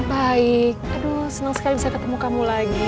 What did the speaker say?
baik aduh senang sekali bisa ketemu kamu lagi